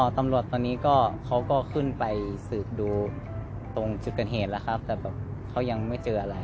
ตอนนี้ก็ขึ้นไปสืบดูตรงจุดกันเหตุแต่ยังไม่เจออะไร